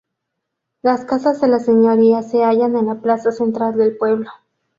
Las casas de la señoría se hallan en la plaza central del pueblo.